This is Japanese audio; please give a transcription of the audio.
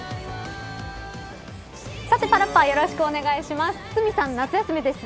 さてパラッパよろしくお願いします。